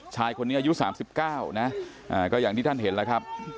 ชายคนนี้อายุสามสิบเก้านะก็อย่างที่ท่านเห็นนะครับ